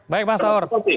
baik mas saur